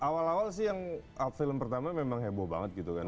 awal awal sih yang film pertama memang heboh banget gitu kan